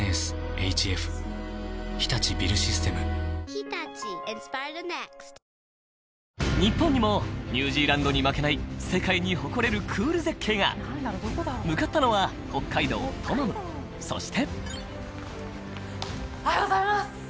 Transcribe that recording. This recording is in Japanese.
このあとは日本雲の楽園へ日本にもニュージーランドに負けない世界に誇れるクール絶景が向かったのは北海道トマムそしておはようございます